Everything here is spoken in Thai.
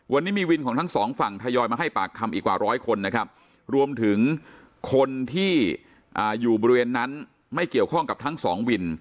วันนี้มีวินของทั้งสองฝั่งทยอยมาให้ปากคำอีกกว่าร้อยคนนะครับรวมถึงคนที่อยู่บริเวณนั้นไม่เกี่ยวข้องกับทั้งสองวิน